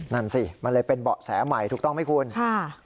นั่นสิมันเลยเป็นเบาะแสใหม่ถูกต้องไหมคุณค่ะ